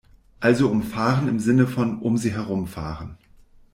Also umfahren im Sinne von "um sie herum fahren".